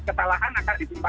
ketalahan akan ditimpa